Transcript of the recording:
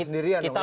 partai riluk rapat